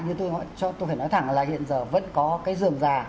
nhưng tôi phải nói thẳng là hiện giờ vẫn có cái dường giả